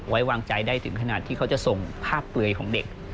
ไว้วางใจได้ถึงขนาดที่เขาจะส่งภาพเปลือยของเด็ก